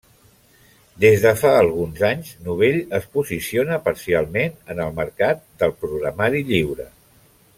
Des de fa alguns anys Novell es posiciona parcialment en el mercat del programari lliure.